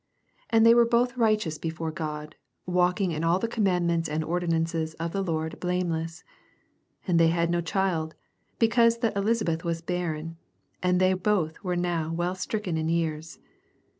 6 And they were both righteous before Gk>d, walking in all the com mandments and ordinances of the Lord blameless. 7 And they had no child, because that Elisabeth was barren, and they, both were now well stricken in years.